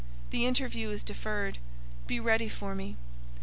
The interview is deferred. Be ready for me.